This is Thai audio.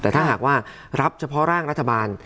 แต่ถ้าหากว่ารับเฉพาะร่างรัฐบาล